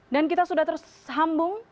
dan kita sudah tersambung